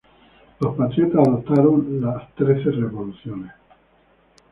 Los Patriotas adoptaron las trece resoluciones.